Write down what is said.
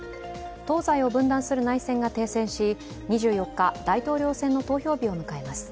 東西を分断する内戦が停戦し２４日、大統領選の投票日を迎えます